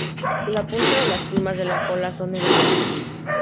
La punta de las plumas de la cola son negruzcas.